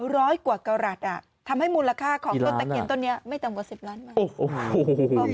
ร้อยกว่าเกาหลัดอ่ะทำให้มูลค่าของตะเคียนต้นนี้ไม่ต่ำกว่า๑๐ล้านบาท